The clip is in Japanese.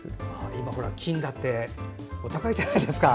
今、金だってお高いじゃないですか。